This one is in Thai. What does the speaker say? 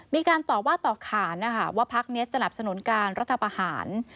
มีการตอบว่าต่อขานว่าพักเนี๊ยดสนับสนุนการรัฐประหาร